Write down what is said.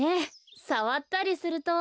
さわったりすると。